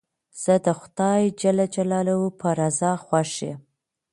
زه د خدای جل جلاله په رضا خوښ یم.